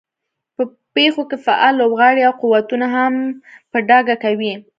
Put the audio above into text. په پېښو کې فعال لوبغاړي او قوتونه هم په ډاګه کوي.